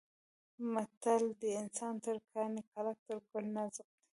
متل دی: انسان تر کاڼي کلک تر ګل نازک دی.